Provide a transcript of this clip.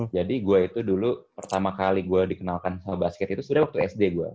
jadi gue itu dulu pertama kali gue dikenalkan sama basket itu sebenernya waktu sd gue